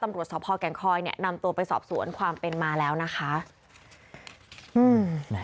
ตำรวจที่สอบพล่อแก็งคลอยนำตัวไปสอบศูนย์ความเป็นมาแล้วนะคะ